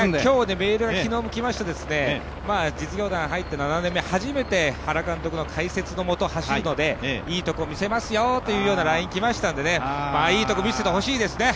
メールが昨日も来まして実業団に入って７年目、初めて原監督の解説のもと、走るので、いいとこ見せますよというようなＬＩＮＥが来ましたので、いいところ見せてほしいですね。